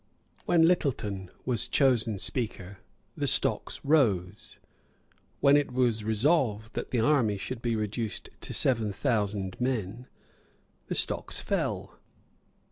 When Littleton was chosen speaker, the stocks rose. When it was resolved that the army should be reduced to seven thousand men, the stocks fell.